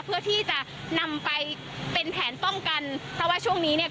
เพื่อที่จะนำไปเป็นแผนป้องกันเพราะว่าช่วงนี้เนี่ย